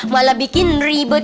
malah bikin ribet